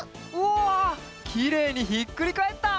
わあきれいにひっくりかえった！